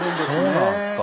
そうなんすか。